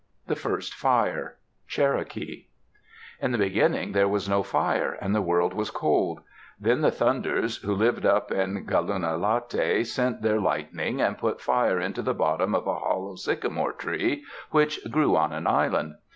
THE FIRST FIRE Cherokee In the beginning there was no fire and the world was cold. Then the Thunders, who lived up in Galun'lati, sent their lightning and put fire into the bottom of a hollow sycamore tree which grew on an island.